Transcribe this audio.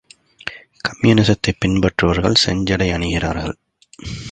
கம்யூனிசத்தைப் பின்பற்றுபவர்கள் செஞ்சட்டை அணிகிறார்கள்.